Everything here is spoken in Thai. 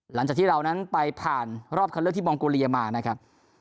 หลังจากที่เรานั้นไปผ่านรอบคันเลือกที่มองโกเลียมานะครับ